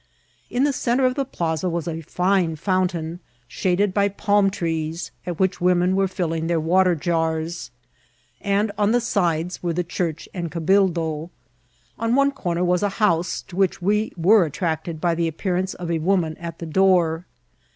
In the centre of the plaza was a fine fountain, shaded by palm trees, at which women were filling their water jars, and on the sides were the church and cabaldo« On one corner was a house, to which we were attracted by the appearance of a woman at the door.